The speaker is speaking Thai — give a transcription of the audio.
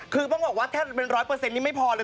คือต้องบอกว่าแค่เป็นร้อยเปอร์เซ็นต์นี้ไม่พอเลย